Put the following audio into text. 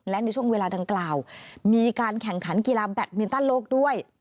และในช่วงเวลาดังกล่าวมีการแข่งขันกีฬาแบตมินตันโลกด้วย